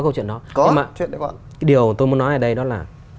nhưng mà điều tôi muốn nói ở đây đó là